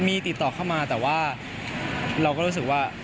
มีติดต่อเข้ามาแต่ว่าเราก็รู้สึกว่า